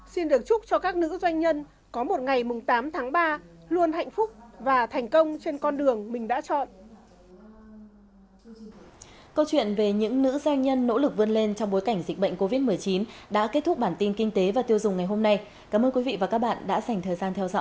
xin được chúc cho các nữ doanh nhân có một ngày tám tháng ba luôn hạnh phúc và thành công trên con đường mình đã chọn